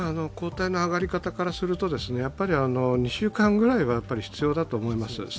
抗体の上がり方からすると２週間ぐらいは必要だと思います。